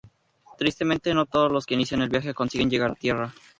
Tristemente, no todos los que inician el viaje consiguen llegar a tierra.